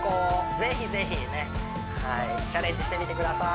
ぜひぜひねチャレンジしてみてください